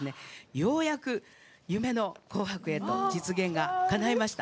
ようやく夢の「紅白」へと実現がかないました。